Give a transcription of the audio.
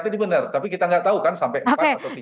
tadi benar tapi kita nggak tahu kan sampai empat atau tiga